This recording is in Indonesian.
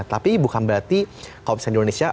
tapi bukan berarti kalau misalnya di indonesia